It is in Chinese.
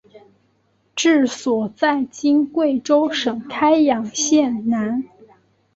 治所在今贵州省开阳县南。